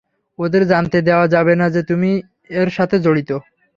ওদের জানতে দেয়া যাবে না যে, তুমি এর সাথে জড়িত।